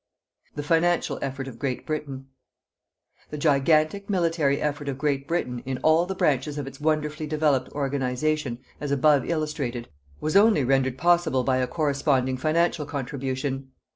THE FINANCIAL EFFORT OF GREAT BRITAIN. The gigantic military effort of Great Britain, in all the branches of its wonderfully developed organization, as above illustrated, was only rendered possible by a corresponding financial contribution.